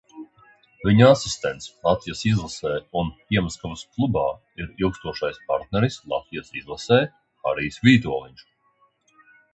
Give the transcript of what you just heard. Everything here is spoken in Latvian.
Viņa asistents Latvijas izlasē un Piemaskavas klubā ir ilgstošais partneris Latvijas izlasē Harijs Vītoliņš.